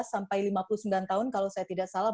sampai lima puluh sembilan tahun kalau saya tidak salah